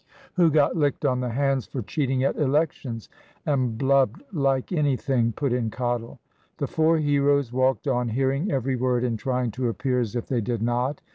"Who got licked on the hands for cheating at Elections, and blubbed like anything!" put in Cottle. The four heroes walked on, hearing every word and trying to appear as if they did not.